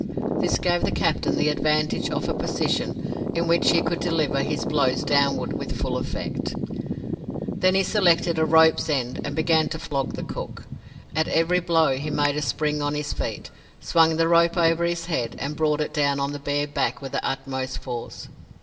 This gave the captain the advantage of a position in which he could deliver his blows downward with full effect. Then he selected a rope's end and began to flog the cook. At every blow he made a spring on his feet, swung the rope over his head, and brought it down on the bare back with the utmost force.